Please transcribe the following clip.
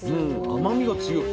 甘みが強い。